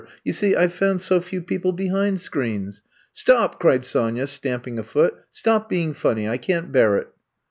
You see, I 've found so few people behind screens. '' Stopl" cried Sonya, stamping a foot. *' Stop being funny. I can 't bear it.